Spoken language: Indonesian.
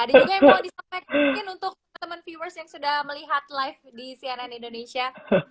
ada juga yang mau disampaikan mungkin untuk teman viewers yang sudah melihat live di cnn indonesia